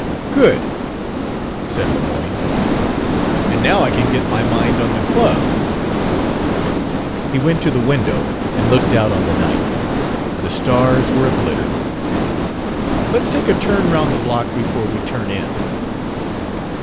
"Good," said Lemoyne; "and now I can get my mind on the club." He went to the window and looked out on the night. The stars were a glitter. "Let's take a turn round the block before we turn in."